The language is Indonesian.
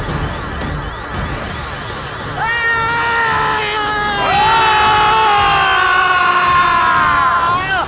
terifat adalah ketika requisiti ket signal